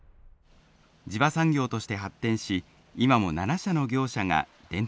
地場産業として発展し今も７社の業者が伝統の味を守っている。